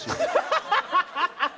ハハハハハ。